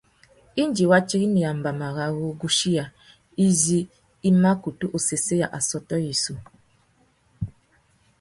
Indi wa tirimiya mbama râ wuguchiya izí i mà kutu sésséya assôtô yissú.